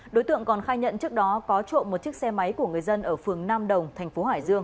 đối tượng còn khai nhận trước đó có trộm một chiếc xe máy của người dân ở phường nam đồng thành phố hải dương